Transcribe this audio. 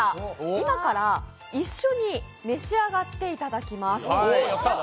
今から一緒に召し上がっていきます。